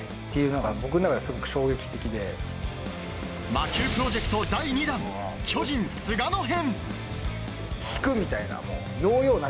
魔球プロジェクト第２弾巨人・菅野編。